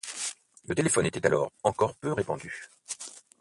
Le téléphone était alors encore peu répandu.